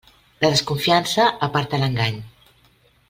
La desconfiança aparta l'engany.